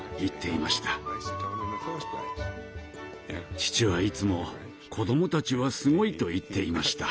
父はいつも「子供たちはすごい」と言っていました。